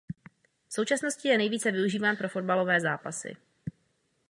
V současnosti je nejvíce využíván pro fotbalové zápasy.